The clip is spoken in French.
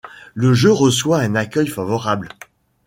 Le jeu reçoit un accueil favorable.